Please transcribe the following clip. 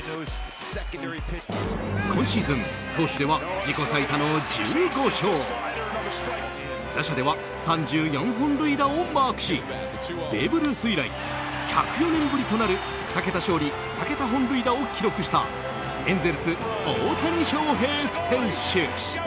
今シーズン投手では自己最多の１５勝打者では３４本塁打をマークしベーブ・ルース以来１０４年ぶりとなる２桁勝利、２桁本塁打を記録したエンゼルス、大谷翔平選手。